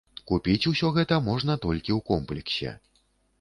Купіць усё гэта можна толькі ў комплексе.